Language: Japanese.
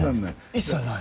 一切ない！？